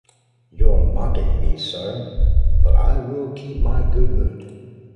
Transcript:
You’re mocking me sir, but I will still keep my good mood.